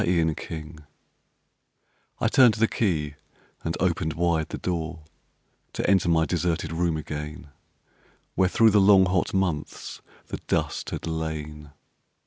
The Return I turned the key and opened wide the door To enter my deserted room again, Where thro' the long hot months the dust had lain.